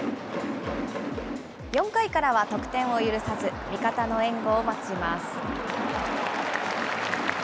４回からは、得点を許さず、味方の援護を待ちます。